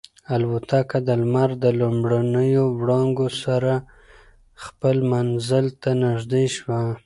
الوتکه د لمر د لومړنیو وړانګو سره خپل منزل ته نږدې شوه.